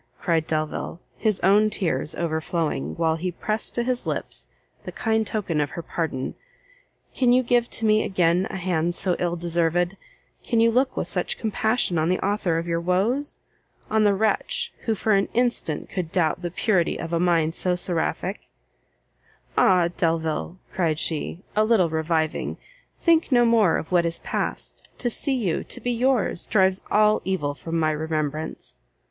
cried Delvile, his own tears overflowing, while he pressed to his lips the kind token of her pardon, "can you give to me again a hand so ill deserved? can you look with such compassion on the author of your woes? on the wretch, who for an instant could doubt the purity of a mind so seraphic!" "Ah, Delvile!" cried she, a little reviving, "think no more of what is past! to see you, to be yours, drives all evil from my remembrance!"